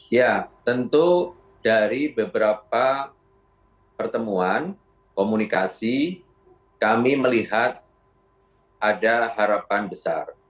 ya tentu dari beberapa pertemuan komunikasi kami melihat ada harapan besar